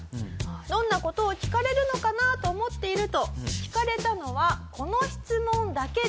どんな事を聞かれるのかなと思っていると聞かれたのはこの質問だけでした。